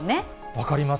分かります。